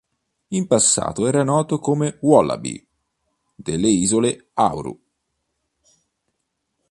In passato era noto come wallaby delle Isole Aru.